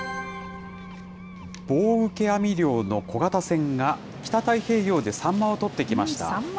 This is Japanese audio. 棒受け網漁の小型船が北太平洋でサンマを取ってきました。